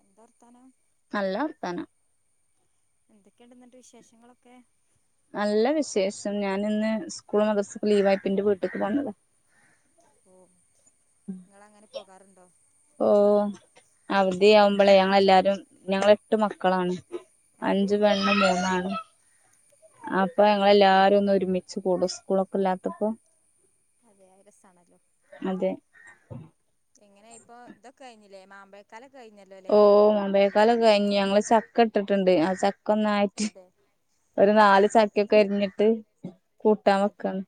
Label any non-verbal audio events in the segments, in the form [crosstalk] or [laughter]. എന്താ വർത്താനം നല്ലർത്താനം എന്തൊക്കെണ്ട് എന്നിട്ട് വിശേഷങ്ങളൊക്കെ? നല്ല വിശേഷം ഞാൻ ഇന്ന് സ്കൂൾ മദ്സും ലീവാക്കി ന്റെ വീട്ട്ക്ക് പോന്നതാ. ഓ ങ്ങളങ്ങനെ പോകാറ്? ഓ അവ്ദി നിങ്ങളെ വീട് ആവുമ്പളെ ഞങ്ങെല്ലാരും ഞങ്ങള എട്ട് മക്കളാണ് അതെ അഞ്ചുപെണ്ണും മൂന്നാണും അപ്പേ ങ്ങളെല്ലാരും ഒന്നും ഒരുമിച്ച് കൂടും സ്കൂളൊക്കെ ഇല്ലാത്തപ്പോ? അതെ രസാണല്ലോ അതെ എങ്ങനേ ഇപ്പൊ ഇതൊക്കെ കഴിഞ്ഞ ലേ മാമ്പഴകല് ഓ മമ്പയക്കാലൊക്കെകയിഞ് ഞമ്മല് ചക്ക ഇട്ടിട്ടുണ്ട് ആസി ഒന്നായിട്ട് അതെ ഒരു നാല് ചക്കൊക്കെ എരിഞ്ഞിട്ട് കൂട്ടാൻ അതെ വക്കാണ്.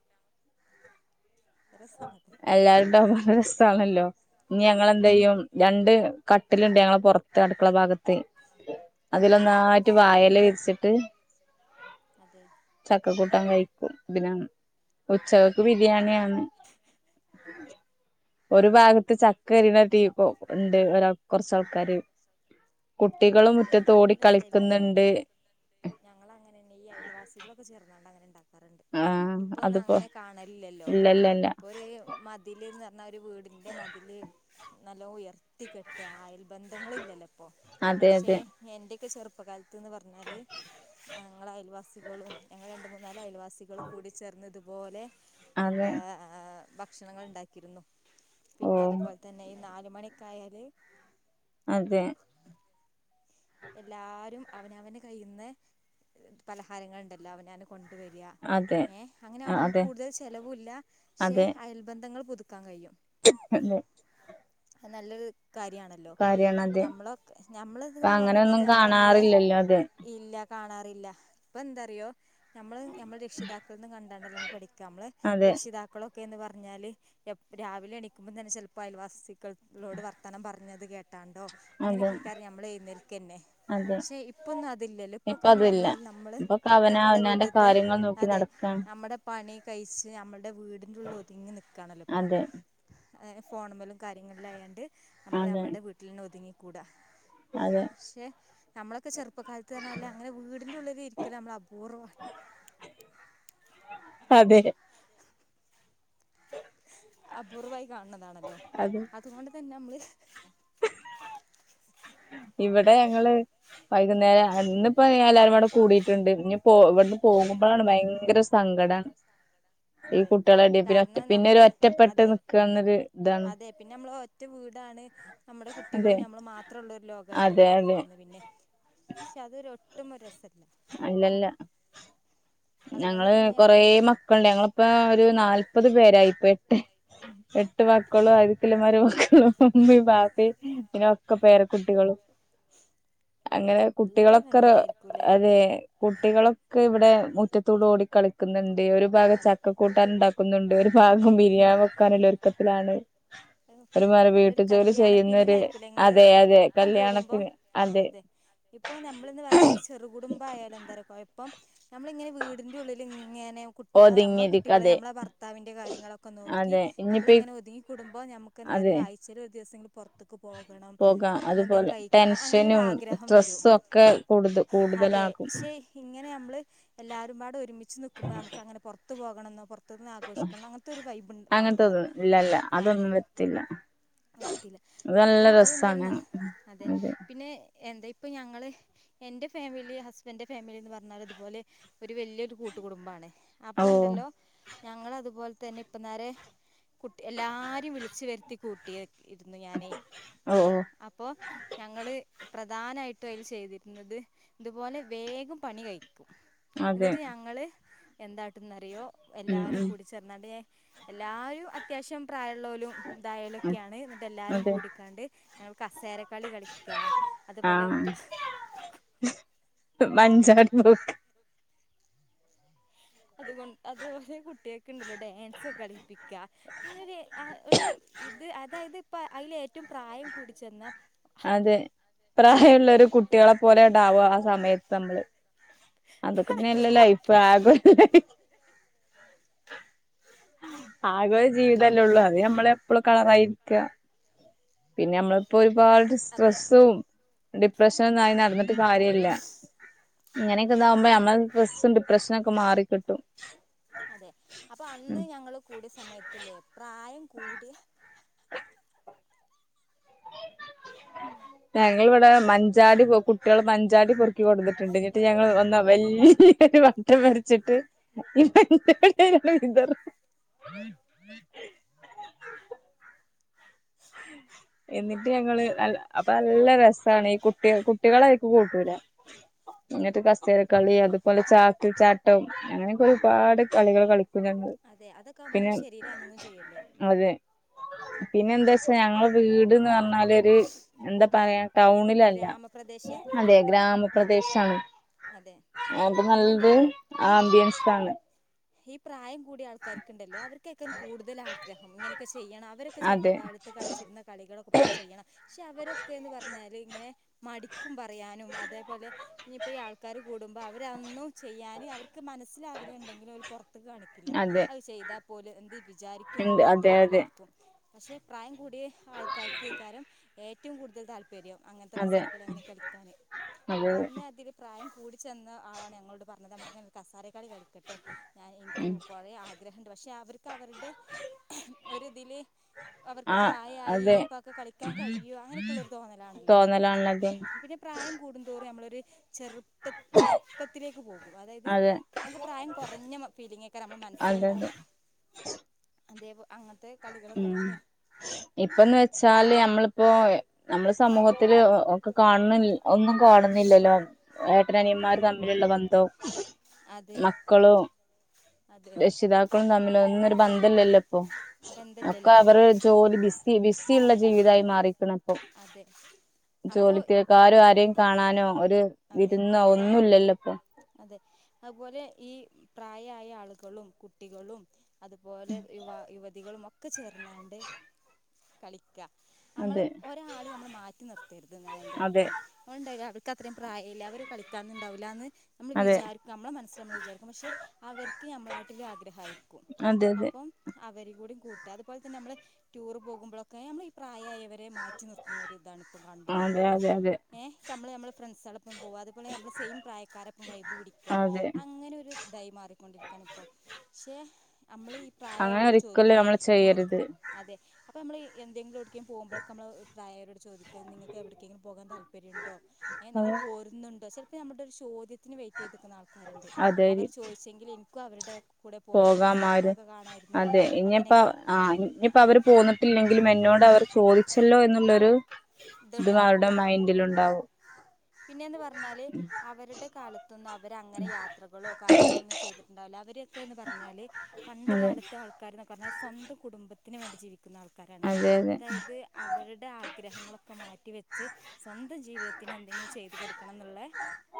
രസാണത് എല്ലാരരുട രസമാണല്ലോ. ഇനി ഞങ്ങളന്ത്യ്യും രണ്ട് കട്ടില്ണ്ട് ഞങ്ങള പൊർത്ത് അടുക്കളഭാഗത്ത്. അതെ അതിലൊന്നായിട്ട് വായലവിരിച്ചിട്ട് അതെ ചക്കക്കുട്ട ൻ വിക്കും ഇദ്നാ ഉച്ചകക്ക് ബിരിയാണിയ ഒരു ഭാഗത്ത് ചക്കരിന തീ ഇ ഉണ്ട് ഒരാൾ കൊർച്ചാൾക്കാര്. കുട്ടികളും മുറ്റത്തോടി കളിക്കുന്ന്ണ്ട്. ഞൾ അങ്ങനെ ഈ അയൽവാസികളൊക്കെ ചേർന്നാണ്ട് അങ്ങനെ ആഹ് ഇപ്പൊന്നും അതിപ്പോ അങ്ങനെ കാണല്ല്യല്ലോ? ഇല്ലല്ലല്ല ഇപ്പൊരു മതിൽന്ന് ന്ന ഒരു വീടിൻ്ന്റെ മതില് നല്ലോ ഉയർ ത്തിക്കെട്ട അയൽബന്ധങ്ങളില്ലല്ലോ ഇപ്പൊ. അതെ പക്ഷെ അതെ എന്റെയൊക്കെ ചെർപ്പ പ്പ കാലത്ത്ന്ന് പറഞ്ഞാൽ ഞങ്ങള അയൽവാസികളും ഞങ്ങൾ രണ്ട് മൂ ന്നാ ൽ അയൽവാസികളും കൂടി ചേർന്ന് ഇത്‌പോലെ അതെ എന്താ ഭക്ഷണങ്ങൾ ണ്ടാക്കിയിരുന്നു. ഓ പിന്നെ അതുപോൽതന്നെ ഈ നാല് മണിക്കായാല് അതെ എല്ലാരും അവനവന് കയ്യിന്ന് പലഹാരങ്ങൾ ഉണ്ടല്ലോ അവനന്റെ കൊ ണ്ട് വെരാ അതെ ഏ ആഹ് അങ്ങനാകുമ്പമ്മക്ക് അതെ കൂടുതൽ ചെലവുല്ലാ പക്ഷെ അയൽബന്ധങ്ങൾ പുതുക്കാൻ കഴിയും അല്ലെ നല്ലൊരു കാര്യണല്ലോ കാര്യാണ് അതെ ഞമ്മളൊക്കെ ഞമ്മൾ ഇപ്പ ഇത്‌ പറ അങ്ങനെയൊന്നും കാണാറില്ലല്ലോ അത്. കാണാറില്ല ഇപ്പൊന്താറിയോ ഞമ്മള് ഞമ്മള് രക്ഷിതാക്കൾന്ന് കണ്ടാണ്ടല്ലേ നമ്മ പഠിക്കാം നമ്മള് അതെ രക്ഷിതാക്കളോ ക്ക എന്ന് പറഞ്ഞാല് രാവിലെ ക്കേ ക്കേന്ന്പർഞ്ഞാല് എപ് രാവിലെ എണിക്കുമ്പോ തന്നെ ചിലപ്പോ അയൽവാസികളോട് വർത്തനം പറഞ്ഞത് കേട്ട കേട്ടാണ്ടോ അതെ അങ്ങനെയൊക്കെകാര്യം ഞമ്മൾഎഴ്‌നേൽക്കന്നെ അതെ ക്ഷെ ഇപ്പൊന്നും അതില്ലല്ലോ ഇപ്പ ഇപ്പൊക്കെന്ന് അതില്ല പറഞ്ഞാല് നമ്മള് ഇപ്പൊക്കെ അവന നമ്മളെ അവനാന്റെ വീട്ടത്തെ കാര്യങ്ങൾ നോക്കി അതെ നടക്കാണ് അമ്മടെ പണിം കഴിച്ച് നമ്മൾടെ വീട്ന്റുള്ള് ഒതുങ്ങി നിക്കാണല്ലോ ഇപ്പൊ. അതെ ഏഹ് ഫോൺമലും കാര്യങ്ങൾല്ലായാണ്ട് അമ്മൾ അതെ അമ്മൾടെ വീട്ടിൽന്നെ ഒതുങ്ങിക്കൂടാ. അതെ ക്ഷെ നമ്മളൊക്കെ ചെറുപ്പകാലത്ത്നർഞാല് അങ്ങനെ വീടിന്റെറെ ഉള്ള്ല് ഇരിക്കല് അമ്മള് അപൂർവ്വ അതെ അപൂർവ്വായി കാണ്ണതാണല്ലോ അതെ അത്കൊണ്ട്തന്നമ്മള് ഇവിടെ ഞങ്ങള് വൈകുന്നേരം ഇന്നിപ്പ എല്ലാരുംകൂടെ കൂടീട്ടുണ്ട് ഇന്ന് പോ ഇവിടുന്ന് അതെ പോകുമ്പളാണ് ഭയങ്കര സങ്കടാണ് ഈ അതെ കുട്ടികള്ണ്ടെ പിന്നെ കാരണം നമ്മള് പിന്നൊരൊറ്റപ്പെട്ട് അതെ നിക്കാന്നൊരിതാണ് അതെ പിന്നെ നമ്മൾ ഒറ്റ വീടാണ് നമ്മുടെ കുട്ടികളും നമ്മളും മാത്രുള്ളൊരു അതെ ലോകായിട്ടുള്ളത് അതെ നിക്കുന്നു പിന്നെ പക്ഷെ അതൊരൊട്ടും രസല്ല അല്ലല്ല അതുകൊണ്ട് ഞങ്ങള് തന്നെ കൊറേ നമ്മളുണ്ടല്ലോ മക്കളുണ്ട് ഞങ്ങളിപ്പ ഒരു നാല്പത് പേരായി ഇപ്പെട്ട് എട്ട് മക്കളും ആര്ക്കല് മരുമക്കളും ഉമ്മീം ബാപ്പയും പിന്നൊക്കെ പേരക്കുട്ടികളും [inaudible] അങ്ങനെ നല്ല കുട്ടികളൊക്കെറ് ഭംഗിയായിരിക്കൂല്ലേ അതെ കുട്ടികളൊക്കെ ഇവിടെ മുറ്റത്തൂടെ ഓടിക്കളിക്കുന്നുണ്ട് ഒരുഭാഗം അത് ചക്കക്കൂട്ടാന്ണ്ടാ ക്കുന്നുണ്ട് ഒരു ഭാഗം ബിരിയാണി വെക്കാനുള്ള ഒരുക്കത്തിലാണ് ഒരുമാരി നല്ലൊരു വീട്ടുജോലി കല്യാണ ഫീലിംഗ് ചെയ്യുന്നവര് ആയിരിക്കൂല്ലേ ഇങ്ങള് അതെ അതെ ഒപ്പം കൂടുമ്പോ കല്യാണത്തിന് അതെ ഇപ്പൊ നമ്മള്ന്ന് പറഞ്ഞാല് ചെറുകുടുബായാലെന്താര കൊയപ്പം നമ്മളിങ്ങനെ വീടിന്റു ലിങ്ങനെ കുട്ടികളെ നമ്മളെ ഒതുങ്ങിയിരിക്ക കുട്ടികളെ അതെ നമ്മളെ ഭർത്താവിന്റെ കാര്യങ്ങളൊക്കെ നോക്കി അതെ നമ്മളി ഇനിയിപ്പ ങ്ങന ഒതുങ്ങിക്കൂടുമ്പൊ നമുക്ക് അതെ എന്താറിയോ ആഴ്ചയിലൊരുദിവസെങ്കില് പൊറത്ത്ക്ക് പോകാം അതുപോലെ അങ്ങനെ ഒരു ടെൻഷനും ആഗ്രഹം വരും സ്ട്രെസ്സുഒക്കെ കൂടുത അതെ കൂടുതലാകും പക്ഷെ ഇങ്ങനെ നമ്മള് എല്ലാരുംപാട് ഒരുമിച്ച് നിക്കുമ്പോ നമുക്കങ്ങനെ പൊറത്ത് പോക ണംന്നോ പൊറുത്തുന്ന് ആഘോഷിക്കണംന്നൊ അങ്ങനത്തൊരു വൈബ് മാണ്ട അങ്ങനത്തെത് ഇല്ലല്ല അതെ അതൊന്നും വരത്തില്ല വരത്തില്ല അത് നല്ല അപ്പോ അതെന്തായാലും രസാണ് നല്ല അതെ പിന്നെ എന്താ ഇപ്പൊ ഞങ്ങള് എന്റെ ഫാമിലി ഹസ്ബന്റ് ഫാമിലി എന്ന് പറഞ്ഞാൽ അതുപോലെ ഒരു വല്യൊരു കൂട്ടു കുടുംബാണ് ഓ അപ്പ്ണ്ടല്ലോ ഞങ്ങളതുപോലെതന്നെ ഇപ്പനേരെ കുട്ടി എല്ലാരേം വിളിച്ചുവരുത്തി കൂട്ടിയെ ഇരുന്നു ഞാനേ ഓ ഓ അപ്പോ ഞങ്ങള് പ്രധാനായിട്ടും അതിൽ ചെയ്തിരുന്നത് ഇതുപോലെ വേഗം പണി കയ്കിക്കും അതെ എന്നിട്ട് ഞങ്ങള് എന്ത്‌കാട്ടുംന്നറിയോ ഉം എല്ലാരും ഉം കൂടിച്ചേർന്നാണ്ട് എല്ലാരും അത്യാവശ്യം പ്രായുള്ളോലും ഇതായാലൊക്കെയാണ് എന്നിട്ടെല്ലാരും അതെ കൂടിക്കാണ്ട് ഞങ്ങ കസേരകളി കളിക്ക അതുപോലെ ആഹ് മഞ്ചാടി പെറ്ക്ക അതുകൊ അത്പോലെ കുട്ടികക്ക്ണ്ടല്ലോ ഡാൻസ് കളിപ്പിക്ക അങ്ങനെ ആ ഒരു ഇത് അതായത് ഇപ്പ അതിലേ അതെ പ്രായമുള്ളൊരു കുട്ടികളെപോലെണ്ടാവും ആ സമയത്ത് നമ്മള് അതൊക്കെത്തന്നല്ലേ ലൈഫ് ആകൊരു ലൈഫ് [inaudible] ആകൊരു ജീവിതല്ലുള്ളു അത് നമ്മളെപ്പൊളും കളറായിരിക്ക പിന്നെ നമ്മളിപ്പൊരു ഒരുപാട് അതെ സ്ട്രെസ്സും ഡിപ്രഷനൊന്നായി നടന്നിട്ട് കാര്യില്ല ഇങ്ങനെക്കിതാവുമ്പൊ പിന്നെ നമ്മള് സ്ട്രെസും ഡിപ്രഷനൊക്കെ മാറിക്കിട്ടും അതെ അപ്പൊ അന്ന് ഉം ഞങ്ങള് കൂടിയ സമയത്തില്ലേ പ്രായം കൂടിയ [inaudible] [inaudible] ഞങ്ങിവിടെ മഞ്ചാടി കുട്ടികള് മഞ്ചാടി പൊറുക്കി കൊണ്ട്വന്നിട്ടുണ്ട് എന്നിട്ട് ഞങ്ങള് ഒന്ന് വല്യ വട്ടം വരച്ചിട്ട് ഇതങ്ങ്ണ്ട് വിതറും [inaudible] [inaudible] എന്നിട്ട് ഞങ്ങള് അപ്പൊ നല്ല രസാണ് ഈ കുട്ടിക കുട്ടികളതിക്ക് കൂട്ടൂല്ല [unintelligible] എന്നിട്ട് കസേര കളി അതുപോലെ ചാാക് ചാട്ടം അങ്ങനെയൊക്കെ ഒരുപാട് കളികൾ കളിക്കും പിന്നെ അതെ അതൊക്കെ ആകുമ്പോ പിന്നെ നമ്മുടെ ശരീരം അനങ്ങും ചെയ്യുമല്ലോ അതെ പിന്നെ പക്ഷെ അപ്പൊ ഞങ്ങള വീട്ന്ന് പറഞ്ഞാല് ഒരു എന്താ പറയാ ടൗണിലല്ല ഗ്രാമപ്രദേശ അതെ ഗ്രാമപ്രദേശാണ് അതെ അപ്പ നല്ലത് പിന്നെണ്ടല്ലോ ആ ഈ അമ്പിയൻസാണ് ഈ പ്രായം കൂടി ആൾക്കാർക്കുണ്ടല്ലോ അവർക്കൊക്കാം കൂടുതൽ ആഗ്രഹം ഇങ്ങനെയൊക്കെ ചെയ്യണം അവരൊക്കെ അതെ ചെറുപ്പക്കാലത്ത് കളിക്കുന്ന കളികൾ അവളക്കൊപ്പം ചെയ്യണം പക്ഷെ അവരൊക്കെ എന്ന് പറഞ്ഞാല് ഇങ്ങനെ മടിക്കും പറയാനും അതേപോലെ ഇനിയിപ്പോ ഈ ആൾക്കാാര് കൂടുമ്പോൾ അവരന്നും ചെയ്യാനും അവർക്ക് മനസ്ിലാഗ്രഹമുണ്ടെങ്കിൽ ഒരു പുറത്ത് കാണിക്കില്ല അതെ അത് ചെയ്താൽ പോലും എന്ത് വിചാരിക്കും ഉണ്ട് എന്നുള്ള ഒരു അതെ അതെ തോന്നലായിരിക്കും പക്ഷെ പ്രായം കൂടിയ ആൾക്കാർക്ക് ഈ കാലം ഏറ്റവും കൂടുതൽ താല്പര്യ താല്പര്യം അങ്ങനത്തെ അതെ കസേരകളി അങ്ങനെ കളിക്കാാന് അത് അപ്പൊ അന്ന് അതില് പ്രായം കൂടി ചെന്ന ആളാണ് ഞങ്ങളോട് പറഞ്ഞത് നമുക്ക്ിങ്ങനെ കസാര കളി കളിക്കട്ടെ ഞാൻ എനിക്ക് ഉം കുറെേ ആഗ്രഹമുണ്ട് പക്ഷെ അവർക്ക് അവരുടെ ഒരിതിൽ അവർക്ക് ആ പ്രായമായി അതെ ഇനിപ്പോൊക്കെ കളിക്കാൻ കഴിയോ അങ്ങനെയൊക്കെയുള്ളരു തോന്നലാണല്ലോ തോന്നലാണത് പിന്നെ പ്രായ കൂടുും തോും നമ്മൾ ചെറുപ്പ ചെറുപ്പത്തിലേക്ക് പോകും അതായത് അതെ അതെ നമുക്ക് പ്രായം കുറഞ്ഞ ഫീലിംഗൊക്കെ നമ്മുടെ മനസ്സൽ അതെ ഉണ്ടാവുക അതേ പോലത്തെ കളികളെ ഉം കളിക്കാൻ ഇപ്പന്ന് വെച്ചാല് നമ്മളിപ്പോൊ നമ്മള് സമൂഹത്തില് കാണുന്ന ഒന്നും കാണുന്നില്ലല്ലോ ഏട്ടനനിയന്മാര് തമ്മിലുള്ള ബന്ധവും അതെ മക്കളും അതെ രക്ഷിതാക്കളും തമ്മിൽ ഒന്നും ഒരു ബന്ധല്ലല്ലോ ഇപ്പൊ അപ്പൊ ബന്ധമില്ലല്ലോ അവര് ജോലി ബിസി ബിസിയുള്ള ജീവിതമായി മാറിക്കണം അതെ അപ്പോ ജോലിത്തിരക്ക ആരും ആരെയും കാണാനോ ഒരു അതെ വിരുന്നോ ഒന്നുംല്ലല്ലോ ഇപ്പൊ അതെ അതുപോലെ ഈ പ്രായമായ ആളുകളും കുട്ടികളും അതുപോലെ യുവാക്കളും യുവതികളും ഒക്കെ ചേർന്നണ്ട് കളി നമ്മള് അതെ ഒരാളയും നമ്മള് മാറ്റിനിർത്തരുത് എന്നാണ് എന്റെ അതെ അഭിപ്രായം നമ്മായ എ അത്രയും പ്രായം മില്ല അവർ കളിക്കാനുണ്ടാവില്ല എന്ന് നമ്മൾ അതെ വിചാരിക്കും നമ്മളുടെ മനസ്സിൽ നമ്മൾ വിചാരിക്കും പക്ഷെ അവർ നഞമ്മളാട്ടില് ആഗ്രഹമായിരിക്കും അതെ അതെ അപ്പം അവരെ കൂടി കൂട്ടുക അതുപോലെ തന്നെ നമ്മള് ടൂർ പോുമ്പോഴൊക്കെ നമ്മ ൾപ്രായമായ അവരെ മാറ്റി നിർത്തുന്ന ഒ രുഇതാണ് ഇപ്പം അതെ കണ്ടുവരുന്നത് അതെ അതെ ഇപ്പ നമ്മള് തങ്ങളിൽഫ്രണ്ട് സ അതുപലെ നമ്മള് സെയിം പ്രായക്കാരെ വൈബ് പിടിക്കുക അതെ അങ്ങനെ ഒരു ഇ ദായി മാറിക്കൊണ്ടിരിക്കയാണ് ഇപ്പോ പക്ഷെ നമ്മൾ ഈ പ്രായമുള്ളവരെ അങ്ങനെ ഒരിക്കലും നമ്മള് ചെയ്യരുത് അത് നമ്മൾ എന്തെങ്കിലും എവിടെലും പോുമ്പോഴക്കെ നമ്മൾ പ്രായം ചോദിക്ക നിങ്ങൾക്ക് എവിടക്കെങ്കിലും പോകാൻ താല്പര്യംണ്ടോ ഏഹ് നിങ്ങള് പോരുന്നുണ്ടോ ചിലപ്പോ നമ്മുടെ ഒരു ചോദ്യ ത്തിന് വെയിറ്റ് ചെയ്ത്ക്ക്ന്ന ആൾക്കാര്ണ്ട്. അതെ അവർ ചോദിച്ചെങ്കില് ഇനിക്കും അവരുടെ കൂടെ പോകേന്ന് പോകാമാര്. സ്ഥലങ്ങളൊക്കെ കാണായിരുന്നു അതെ ഇനിപ്പ അങ്ങനെയൊക്കെ ആ ഇനിപ്പോ അവര് പോന്നിട്ടില്ലെങ്കിലും എന്നോട് അവർ ചോദിച്ചല്ലോ എന്നുള്ളൊരു ഇതും അവരുടെ മൈൻഡിലുണ്ടാവും ആ പിന്നേന്ന് പറഞ്ഞാല് അവരുടെ കാലത്തൊന്നും അവരങ്ങനെ യാത്രകളോ കാര്യങ്ങളോ ഒന്നും ചെയ്തിട് ണ്ടാവില്ല. അവരൊക്കെയെന്ന് പറഞ്ഞാല് പണ്ട് അതെ കാലത്തെ ആൾക്കാര്ന്നൊക്കെ പറഞ്ഞാ സ്വന്തം കുടുംബത്തിന് വേണ്ടി ജീവിക് ക്ക്ന്ന ആൾക്കാരാണ്. അതെ അതായത് അവരുടെ ആഗ്രഹങ്ങളൊ വെച്ച് സ്വന്തം ജീവിതത്തിന് എന്തെങ്കിലും ചെയ്തു കൊടുക്കണംന്നുള്ള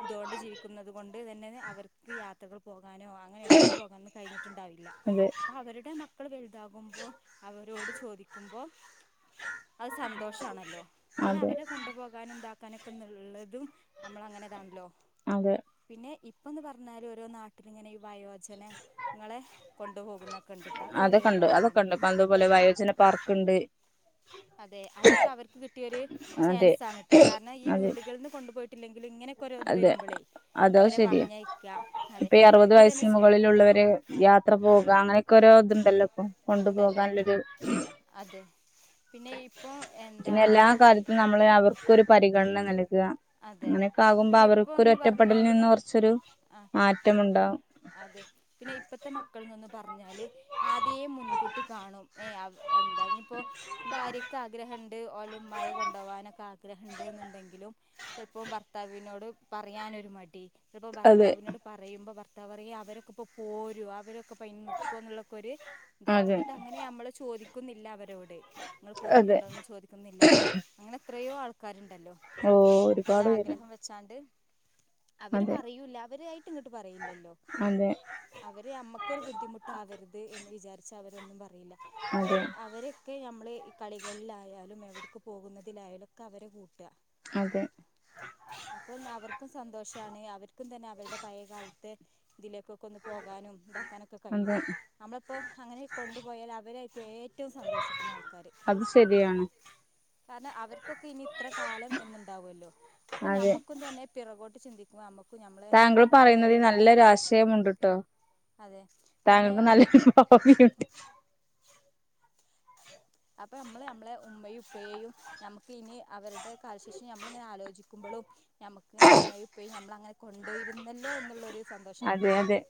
ഇതുകൊണ്ട് ജീവിക്കുന്നത് കൊണ്ട് തന്നെ അവർക്ക് യാത്രകൾ പോകാ കാനോ അങ്ങനെ എവിട്ക്ക് പോകാനോ കഴിഞ്ഞിട്ടുണ്ടാവില്ല. അതെ അപ്പോ അവരുടെ മക്കള് വലുതാകുമ്പോ അവരോ ട് ചോദിക്കുമ്പം അത് സന്തോഷാണല്ലോ കാരണം അതെ അവരെ കൊണ്ടുപോകാനും ണ്ടാക്കാനൊക്കെന്ന്ള്ളതും അമ്മൾ അങ്ങനെതാണല്ലോ അതെ പിന്നെ ഇ പ്പന്ന് പറഞ്ഞാല് ഓരോ നാട്ടിലിങ്ങനെ ഈ വയോജനങ്ങളെ കൊണ്ടുപോകുന്ന അതൊക്കണ്ട് അതൊക്കണ്ട് പ്പതുപോലെ വയോജന പാർക്ക്ണ്ട് അതെ അതൊക്കെ അവർക്ക് കിട്ടിയൊരു അതെ ചാൻസാണ്‌ട്ടോ കാരണം ഈ അതെ വീടുകൾന്ന് കൊണ്ടുപോയി ട്ടില്ലെങ്കും ഇങ്ങനെ‌ക്കോരോ ഇത് വരുമ്പളേ അവരെ അതാശരിയാ പറഞ്ഞയക്ക അതെ ഇപ്പ ഈ അറുപത് ഇപ്പൊ തന്നെ വയസ്സിന് മുകളിലുള്ളവര് യാത്ര പോകാ അങ്ങനെയൊ‌ക്കോരോ ടൊ ഇത്ണ്ട്ല്ല് പ്പൊ കൊണ്ടു ഉണ്ടല്ലോ പോകാൻള്ളൊരു അതെ പിന്നെ ഇപ്പൊ എന്താ പിന്നെ എല്ലാ കാലത്തും നമ്മള് അവർക്കൊരു പരിഗണന നൽകുക അതെ അങ്ങനെയൊക്കെ ആകുമ്പോ പിന്നെ അവർക്കൊരു ഇപ്പോന്ന് ഒറ്റപ്പെടലിൽ പറഞ്ഞാല് നിന്ന് കുറച്ചൊരു ആ മാറ്റമുണ്ടാവും അതെ പിന്നെ ഇപ്പത്തെ മക്കൾ ന്നൊന്ന് പറഞ്ഞാല് ആദ്യേ മുൻകൂട്ടി കാണും എന്താനിപ്പോ ഭാര്യക്ക് ആഗ്രഹംണ്ട് ഓലെ ഉമ്മായെ കൊണ്ടോവാനൊക്കെ ആ ആഗ്രഹംണ്ട്ന്ന്ണ്ടെങ്കിലും ചെൽപ്പോ ഭർത്താവിനോട് പറയാനൊരു മടി ഇത്പ്പോ അതെ ഭർത്താവിനോട് പറയുമ്പോ ഭർത്താവറയും അവരൊക്കെ ഇപ്പോ പോരും അവരൊക്കെ പൈന് ന്നിക്കോന്ന്ള്ളക്കൊര് ഇതായ്രിക്കും അതെ എന്നിട്ട് അങ്ങനെ നമ്മള് ചോദിക്കുന്നില്ല അവര് രോട് നിങ്ങൾ അതെ പോരുന്നുണ്ടോന്ന് ചോദിക്കുന്നില്ല അങ്ങനെ എത്രയോ ആൾക്കാര്ണ്ടല്ലോ ഓ നല്ല ഒരുപാട് പേരുണ്ട് ആഗ്രഹം വെച്ചാണ്ട് അവര് അതെ പറയൂല്ല അവരായിട്ട് ഇങ്ങട്ട് പറയുല്ലല്ലോ അതെ അവര് അമ്മക്കൊരു ബുദ്ധിമുട്ടാവരുത് എന്ന് വിചാരി ച്ച് അവരൊന്നും പറയില്ല പക്ഷേ അതെ അവരൊക്കെ നമ്മള് കളികളിലായാലും പോകുന്നതിലായാലൊക്കെ അവരെ കൂട്ട അതെ അപ്പൊന്നവർക്കും സന്തോഷാണ് അവർക്കും തന്നെ അവരുടെ പഴയ കാലത്ത് [unintelligible] ക്കൊക്കൊന്ന് പോകാനും ഇതാക്കാനൊക്കെ കഴിയും അതെ നമ്മളിപ്പോ അങ്ങനെ കൊണ്ടുപോയാൽ അവരായിരിക്കും ഏറ്റവും സ ന്തോഷിക്കുന്ന ആൾക്കാര് ശെരിയാണ് കാരണം അവർക്കൊക്കെ ഇനി ഇത്ര കാലം എന്ന്ണ്ടാവാല്ലോ അപ്പൊ അതെ നമ്മക്കും തന്നെ പിറകോട്ട് ചിന്തിക്കുമ്പോ നമ്മു താങ്കൾ പറയുന്നതിൽ നല്ലൊരാശയം ഉണ്ട്ട്ടോ അതെ പിന്നെ താങ്കൾക്ക് ന്നല്ല ഭാവി ഉണ്ട് അപ്പൊ നമ്മള് നമ്മളെ ഉമ്മയും ഉപ്പയേയും നമ്മുക്ക് ഇനി അവരുടെ കാലശേ നമ്മള്ങ്ങനെ ആലോചിക്കുമ്പളും നമുക്ക് നമ്മളെ ഉമ്മയും ഉപ്പയും നമ്മൾ അങ്ങനെ കൊണ്ടയിരുന്നല്ലോ എന്നുള്ളൊരു സന്തോഷം അതെ അതെ നമുക്കുണ്ടാകും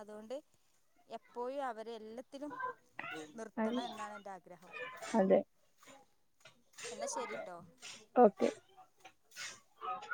അതോണ്ട് എപ്പോഴും അവർ എല്ലത്തിലും നിർത്തണം എന്നാണ് അതെ എന്നാ ശെരിട്ടോ ഓക്കെ